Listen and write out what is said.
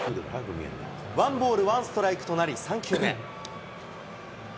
ワンボールワンストライクとなり３球目。